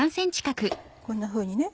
こんなふうにね。